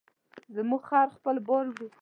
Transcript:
زموږ خر خپل بار وړي.